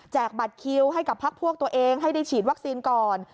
บัตรคิวให้กับพักพวกตัวเองให้ได้ฉีดวัคซีนก่อน